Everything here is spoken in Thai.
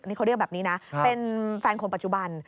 นี่เขาเรียกแบบนี้นะเป็นแฟนคนปัจจุบัน